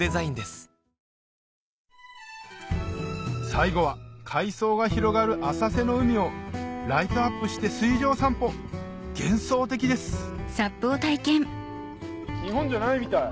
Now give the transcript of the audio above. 最後は海藻が広がる浅瀬の海をライトアップして水上散歩幻想的です日本じゃないみたい。